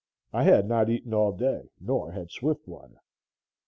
I had not eaten all day, nor had Swiftwater.